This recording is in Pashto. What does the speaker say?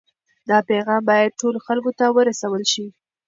دا پیغام باید ټولو خلکو ته ورسول شي.